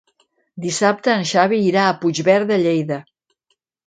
Dissabte en Xavi irà a Puigverd de Lleida.